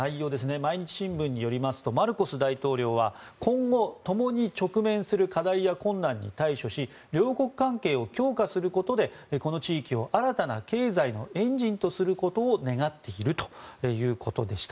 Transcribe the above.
毎日新聞によりますとマルコス大統領は今後、ともに直面する課題や困難に対処し両国関係を強化することでこの地域を新たな経済のエンジンとすることを願っているということでした。